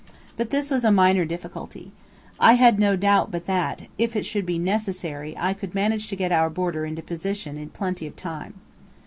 But this was a minor difficulty. I had no doubt but that, if it should be necessary, I could manage to get our boarder into position in plenty of time.